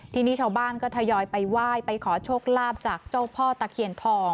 ที่นี่ชาวบ้านก็ทยอยไปไหว้